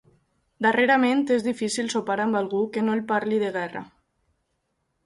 Darrerament és difícil sopar amb algú que no et parli de guerra.